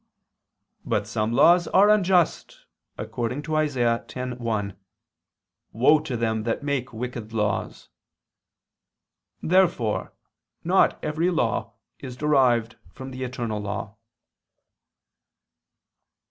But some laws are unjust, according to Isa. 10:1: "Woe to them that make wicked laws." Therefore not every law is derived from the eternal law.